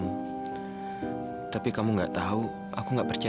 wuih saya maunya tinggalkan kamu ke rumah